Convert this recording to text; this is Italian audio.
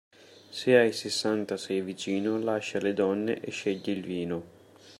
Se ai sessanta sei vicino, lascia le donne e scegli il vino.